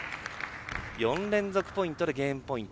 ４連続ポイントでゲームポイント。